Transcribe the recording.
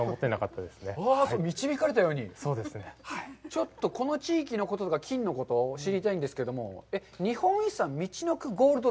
ちょっとこの地域のこととか、金のことを知りたいんですけども、日本遺産、みちのくＧＯＬＤ